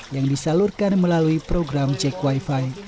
yang disalurkan melalui program jack wifi